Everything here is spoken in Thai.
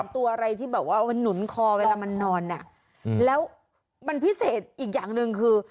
ตัวอะไรที่แบบว่ามันหนุนคอเวลามันนอนแล้วมันพิเศษอีกอย่างหนึ่งคือ